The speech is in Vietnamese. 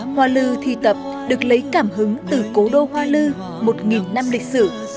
hoa lưu thi tập được lấy cảm hứng từ cố đô hoa lưu một năm lịch sử